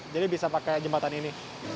jadi bisa pakai jembatan ini